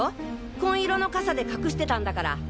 紺色の傘で隠してたんだから。